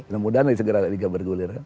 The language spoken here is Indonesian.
mudah mudahan ini segera liga bergulir